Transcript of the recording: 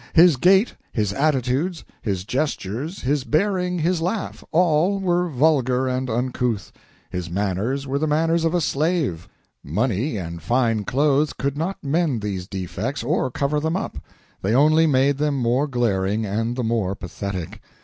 His gait, his attitudes, his gestures, his bearing, his laugh all were vulgar and uncouth; his manners were the manners of a slave. Money and fine clothes could not mend these defects or cover them up; they only made them the more glaring and the more pathetic.